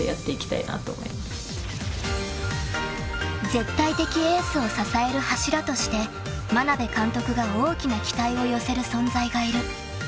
［絶対的エースを支える柱として眞鍋監督が大きな期待を寄せる存在がいる］